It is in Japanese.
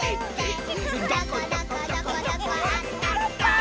「どこどこどこどこあったった」